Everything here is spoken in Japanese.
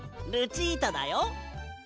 ルチータだよ。